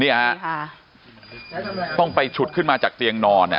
นี่ฮะต้องไปฉุดขึ้นมาจากเตียงนอน